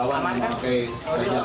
tadi di daerah pelaku